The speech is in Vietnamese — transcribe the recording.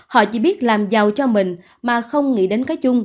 họ chỉ biết làm giàu cho mình mà không nghĩ đến cái chung